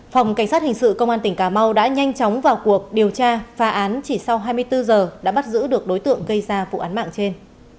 phòng cảnh sát hình sự công an tỉnh cà mau đã nhanh chóng vào cuộc điều tra phá án chỉ sau hai mươi bốn giờ đã bắt giữ được đối tượng gây ra vụ án mạng trên